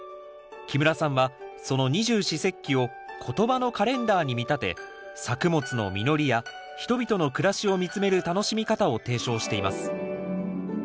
木村さんはその二十四節気を言葉のカレンダーに見立て作物の実りや人々の暮らしを見つめる楽しみ方を提唱しています